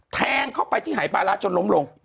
แทงเข้าไปที่หายปลาร้าจนล้มลง